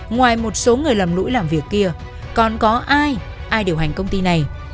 ngoài một số người lầm lỗi làm việc kia còn có ai ai điều hành công ty này